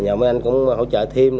nhờ mấy anh cũng hỗ trợ thêm